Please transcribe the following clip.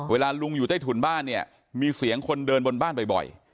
เวลาลุงอยู่ใต้ถุนบ้านเนี่ยมีเสียงคนเดินบนบ้านบ่อย